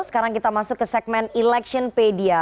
sekarang kita masuk ke segmen electionpedia